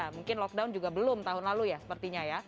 mungkin lockdown juga belum tahun lalu ya sepertinya ya